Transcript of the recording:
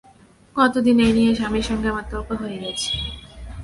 কত দিন এই নিয়ে স্বামীর সঙ্গে আমার তর্ক হয়ে গেছে।